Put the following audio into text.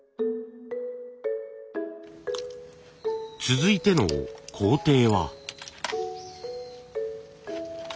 続いての工程は。